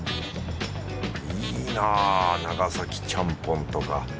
いいなぁ長崎ちゃんぽんとか。